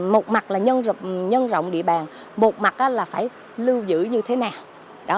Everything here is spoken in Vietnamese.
một mặt là nhân rộng địa bàn một mặt là phải lưu giữ như thế nào